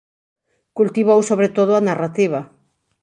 Cultivou sobre todo a narrativa.